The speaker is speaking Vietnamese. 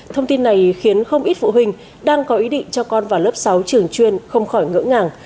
thông tin này khiến không ít phụ huynh đang có ý định cho con vào lớp sáu trường chuyên không khỏi ngỡ ngàng